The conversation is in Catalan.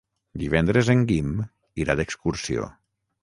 Divendres en Guim irà d'excursió.